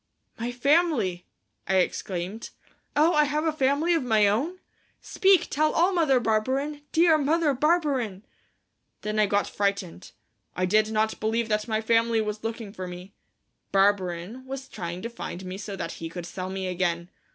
"My family," I exclaimed. "Oh, have I a family of my own? Speak, tell all, Mother Barberin, dear Mother Barberin!" Then I got frightened. I did not believe that my family was looking for me. Barberin was trying to find me so that he could sell me again.